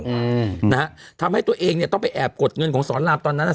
อืมนะฮะทำให้ตัวเองเนี้ยต้องไปแอบกดเงินของสอนรามตอนนั้นอ่ะ